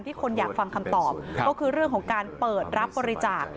คนอยากฟังคำตอบก็คือเรื่องของการเปิดรับบริจาค